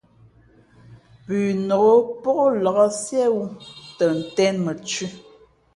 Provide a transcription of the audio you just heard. Pʉnok pók nlak siēwū tα tēn mα thʉ̄.